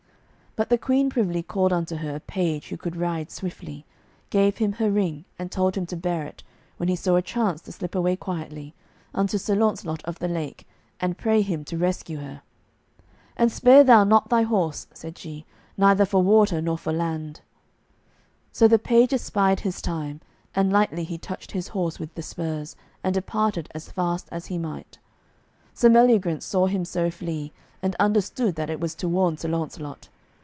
But the Queen privily called unto her a page who could ride swiftly, gave him her ring, and told him to bear it, when he saw a chance to slip away quietly, unto Sir Launcelot of the Lake, and pray him to rescue her. "And spare thou not thy horse," said she, "neither for water nor for land." So the page espied his time, and lightly he touched his horse with the spurs, and departed as fast as he might. Sir Meliagrance saw him so flee, and understood that it was to warn Sir Launcelot.